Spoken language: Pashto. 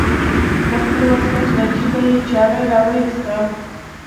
د خپل واسکټ له جيبه يې چاړه راوايسته.